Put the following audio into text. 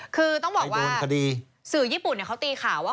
คือต้องบอกว่าสื่อญี่ปุ่นเขาตีข่าวว่า